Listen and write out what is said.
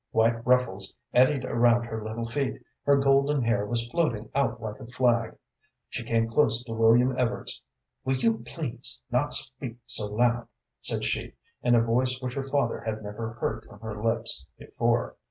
White ruffles eddied around her little feet, her golden hair was floating out like a flag. She came close to William Evarts. "Will you please not speak so loud," said she, in a voice which her father had never heard from her lips before.